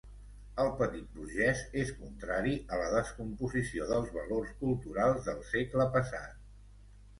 El petit burgès és contrari a la descomposició dels valors culturals del segle passat.